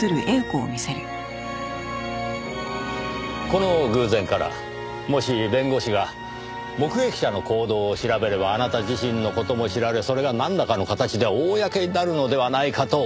この偶然からもし弁護士が目撃者の行動を調べればあなた自身の事も知られそれがなんらかの形で公になるのではないかと恐れた。